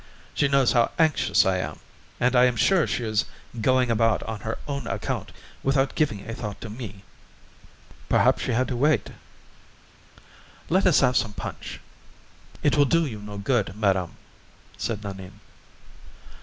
She knows how anxious I am, and I am sure she is going about on her own account, without giving a thought to me." "Perhaps she had to wait." "Let us have some punch." "It will do you no good, madame," said Nanine.